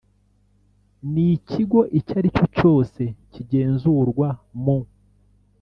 N ikigo icyo aricyo cyose kigenzurwa mu